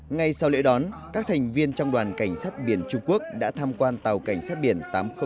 ngay sau lễ đoán các thành viên trong đoàn cảnh sát biển trung quốc đã tham quan tàu cảnh sát biển tám nghìn bốn